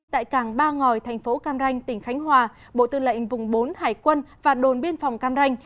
tại cảng ba ngòi thành phố cam ranh tỉnh khánh hòa bộ tư lệnh vùng bốn hải quân và đồn biên phòng cam ranh